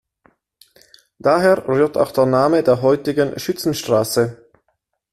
Daher rührt auch der Name der heutigen "Schützenstraße".